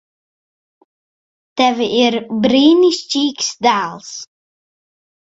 Tev ir brīnišķīgs dēls.